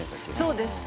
そうです